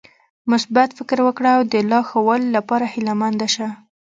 مثبت فکر وکړه او د لا ښوالي لپاره هيله مند شه .